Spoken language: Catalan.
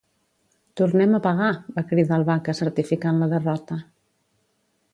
Tornem a pagar! —va cridar el Vaca, certificant la derrota.